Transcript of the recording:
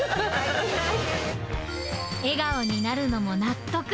笑顔になるのも納得。